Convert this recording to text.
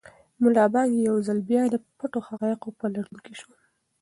ملا بانګ یو ځل بیا د پټو حقایقو په لټون کې شو.